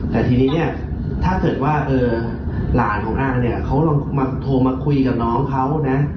แต่ทีนี้เนี่ยถ้าเกิดว่าหลานของนางเนี่ยเขาลองมาโทรมาคุยกับน้องเขานะ